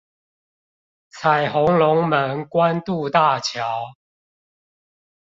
彩虹龍門關渡大橋